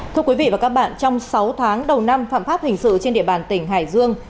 thưa quý vị và các bạn trong sáu tháng đầu năm phạm pháp hình sự trên địa bàn tỉnh hải dương